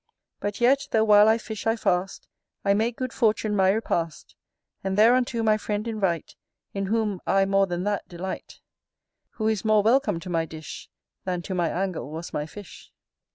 But yet, though while I fish, I fast, I make good fortune my repast; And thereunto my friend invite, In whom I more than that delight: Who is more welcome to my dish Than to my angle was my fish.